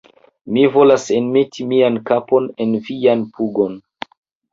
Mi volas enmeti mian kapon en vian pugon!